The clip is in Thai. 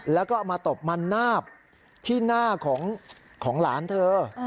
แล้วก็เอามาตบมันนาบที่หน้าของหลานเธอ